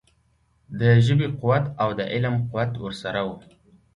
د ژبې قوت او د علم قوت ورسره وو.